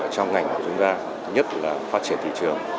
trong ngành của chúng ta nhất là phát triển thị trường